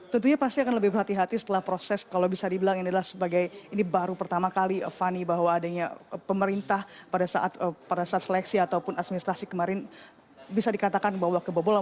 tentunya pasti akan lebih berhati hati setelah proses kalau bisa dibilang ini adalah sebagai ini baru pertama kali fani bahwa adanya pemerintah pada saat seleksi ataupun administrasi kemarin bisa dikatakan bahwa kebobolan